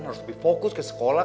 harus lebih fokus ke sekolah